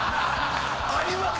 あります？